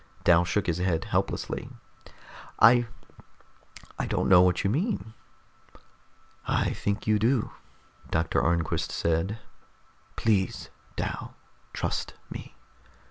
Dal shook his head helplessly. "I ... I don't know what you mean." "I think you do," Doctor Arnquist said. "Please, Dal. Trust me.